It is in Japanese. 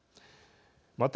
また、